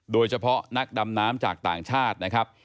โดยเฉพาะนักดำน้ำจากต่างชาตินะครับ